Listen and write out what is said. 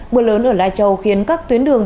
mưa lớn ở lai châu khiến các tuyến đường